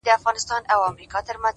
هره ورځ د نوې بریا امکان لري!